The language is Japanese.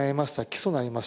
「起訴になりました」。